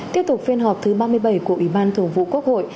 tiếp tục phiên họp thứ ba mươi bảy của ủy ban thường vụ quốc hội